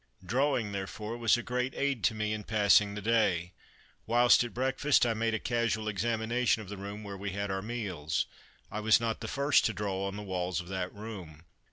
Drawing, therefore, was a great aid to me in passing the day. Whilst at breakfast I made a casual examination of the room where we had our meals. I was not the first to draw on the walls of that room.